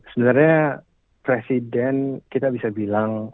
sebenarnya presiden kita bisa bilang